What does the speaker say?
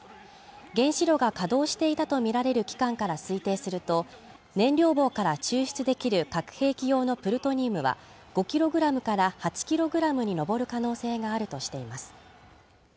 原子炉が稼働していたとみられる機関から推定すると、燃料棒から抽出できる核兵器用のプルトニウムは５ｋｇから８ｋｇに上る可能性があるとしています。